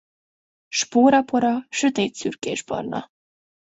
Spórapora sötét szürkésbarna.